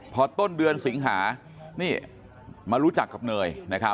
พอต้นเดือนสิงหานี่มารู้จักกับเนย